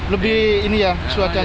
lebih ini ya cuacanya